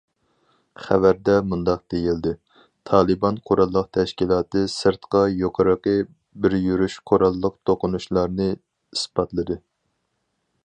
خەۋەردە مۇنداق دېيىلدى: تالىبان قوراللىق تەشكىلاتى سىرتقا يۇقىرىقى بىر يۈرۈش قوراللىق توقۇنۇشلارنى ئىسپاتلىدى.